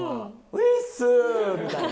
ウイッスー！みたいな。